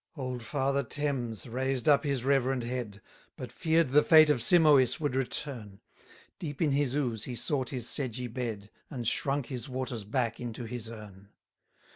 232 Old father Thames raised up his reverend head, But fear'd the fate of Simois would return: Deep in his ooze he sought his sedgy bed, And shrunk his waters back into his urn.